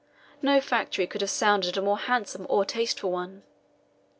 No factory could have supplied a more handsome or tasteful one.